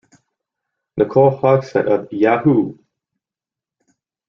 Nicole Hogsett of Yahoo!